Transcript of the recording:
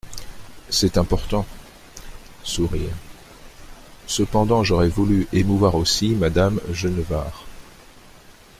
C’est important ! (Sourires.) Cependant, j’aurais voulu émouvoir aussi Madame Genevard.